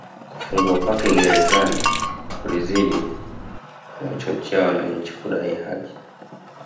Kufungwa kwake Gerezani kulizidi kuwachochea wananchi kudai haki